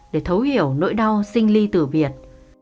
để thấu hiểu nỗi đau sinh ly từ việt